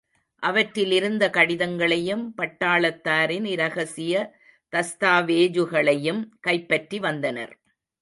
அவற்றிலிருந்த கடிதங்களையும், பட்டாளத்தாரின் இரகசிய தஸ்தாவேஜுகளையும் கைப்பற்றிவந்தனர்.